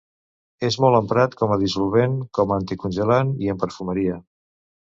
És molt emprat com a dissolvent, com a anticongelant i en perfumeria.